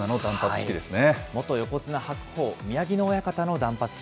元横綱・白鵬、宮城野親方の断髪式。